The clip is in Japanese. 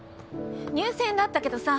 入選だったけどさ